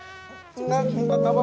iya ini loncatnya udah kasar more